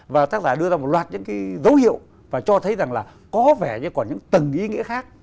và tác giả đưa ra một loạt những cái dấu hiệu và cho thấy rằng là có vẻ như còn những tầng ý nghĩa khác